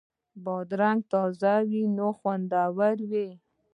بادرنګ تازه وي نو خوندور وي.